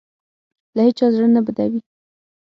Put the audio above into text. له هېچا زړه نه بدوي.